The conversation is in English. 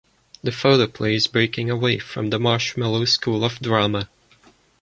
The photoplay is breaking away from the marshmallow school of drama.